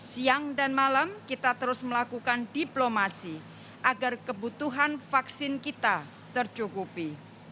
siang dan malam kita terus melakukan diplomasi agar kebutuhan vaksin kita tercukupi